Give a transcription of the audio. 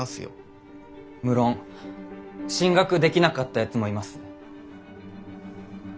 無論進学できなかったやつもいます。